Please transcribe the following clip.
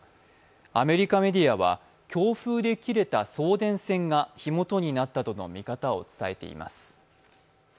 アメリカメディアは強風で切れた送電線が火元になったとの見方を伝えています。